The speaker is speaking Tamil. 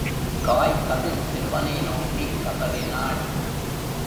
காய்கதிர்ச் செல்வனை நோக்கிக் கதறினாள்.